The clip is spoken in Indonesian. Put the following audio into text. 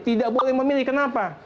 tidak boleh memilih kenapa